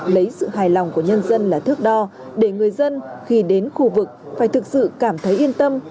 lấy sự hài lòng của nhân dân là thước đo để người dân khi đến khu vực phải thực sự cảm thấy yên tâm